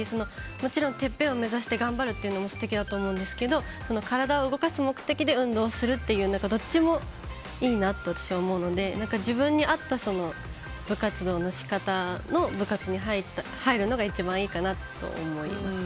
もちろんてっぺんを目指して頑張るのも素敵だと思うんですけど体を動かす目的で運動するというどっちもいいなと私は思うので自分に合った部活動の仕方の部活に入るのが一番いいかなと思います。